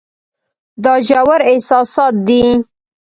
دا ژور احساسات دي.